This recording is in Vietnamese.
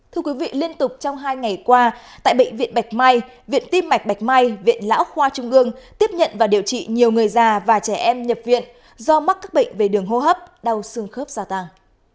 thưa quý vị liên tục trong hai ngày qua tại bệnh viện bạch mai viện tim mạch bạch mai viện lão khoa trung ương tiếp nhận và điều trị nhiều người già và trẻ em nhập viện do mắc các bệnh về đường hô hấp đau xương khớp gia tăng